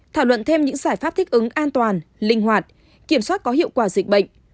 thảo luận thêm những giải pháp thích ứng an toàn linh hoạt kiểm soát có hiệu quả dịch bệnh